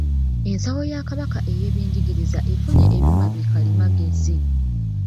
Ensawo ya Kabaka ey'eby'Enjigiriza efunye ebyuma bikalimagezi.